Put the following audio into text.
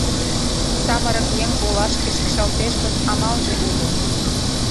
Самырык еҥ олашке шикшалтеш гын, амалже уло.